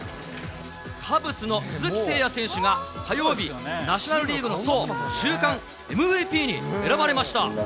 カブスの鈴木誠也選手が、火曜日、ナショナルリーグのそう、週間ＭＶＰに選ばれました。